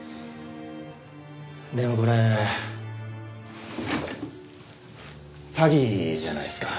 でもこれ詐欺じゃないですか？